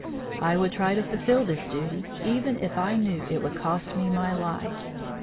I would try to fulfill this duty even if I knew it would cost me my life.